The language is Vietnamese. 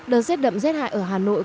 đợt rét đậm rét hại ở hà nội